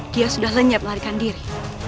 dia sudah lenyap melarikan diri